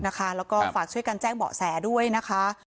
แล้วก็ฝากช่วยกันแจ้งเบาะแสด้วยนะคะ